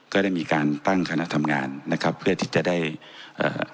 ก็ได้มีการตั้งคณะทำงานนะครับเพื่อที่จะได้เอ่อ